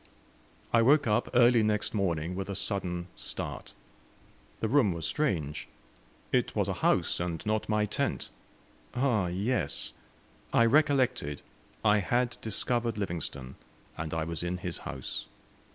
I woke up early next morning with a sudden start. The room was strange! It was a house, and not my tent! Ah, yes! I recollected I had discovered Livingstone, and I was in his house.